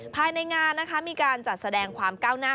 ภายในงานนะคะมีการจัดแสดงความก้าวหน้า